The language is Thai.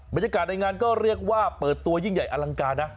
บรรยากาศในงานก็เรียกว่าเปิดตัวยิ่งใหญ่อลังการนะ